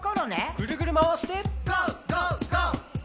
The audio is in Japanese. ぐるぐるまわして。